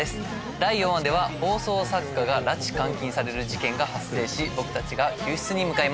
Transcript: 第４話では放送作家が拉致・監禁される事件が発生し僕たちが救出に向かいます。